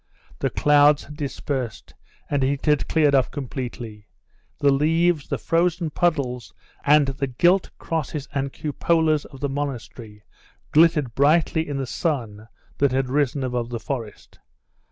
The clouds had dispersed, and it had cleared up completely; the leaves, the frozen puddles and the gilt crosses and cupolas of the monastery glittered brightly in the sun that had risen above the forest.